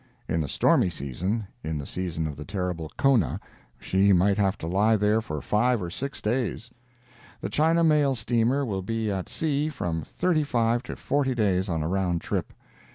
In the stormy season—in the season of the terrible Kona she might have to lie there for five or six days. The China mail steamer will be at sea from thirty five to forty days on a round trip.